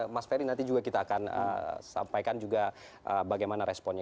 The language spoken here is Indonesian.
mas ferry nanti juga kita akan sampaikan juga bagaimana responnya